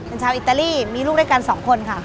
เป็นชาวอิตาลีมีลูกด้วยกัน๒คนค่ะ